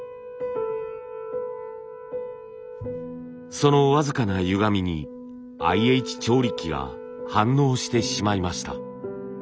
その僅かなゆがみにＩＨ調理器が反応してしまいました。